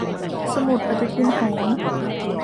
สมุดปฏิทินโหร